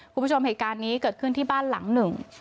คุณผู้ชมเหตุการณ์นี้เกิดขึ้นที่บ้านหลังหนึ่ง